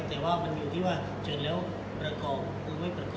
แต่ว่ามันอยู่ที่ว่าเจอแล้วประกอบ